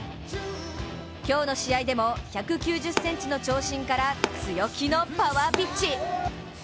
今日の試合でも１９０ｃｍの長身から強気のパワーピッチ。